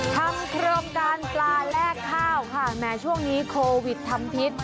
ทำโครงการปลาแลกข้าวค่ะแม้ช่วงนี้โควิดทำพิษ